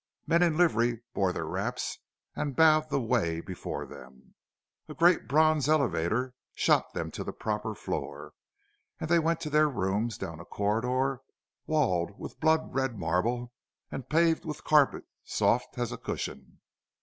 Men in livery bore their wraps and bowed the way before them; a great bronze elevator shot them to the proper floor; and they went to their rooms down a corridor walled with blood red marble and paved with carpet soft as a cushion.